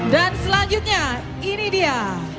dan selanjutnya ini dia